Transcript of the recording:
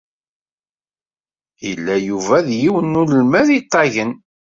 Yella Yuba d yiwen n unelmad iṭagen.